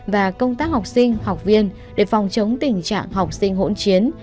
và công tác học sinh học viên để phòng chống tình trạng học sinh hỗn chiến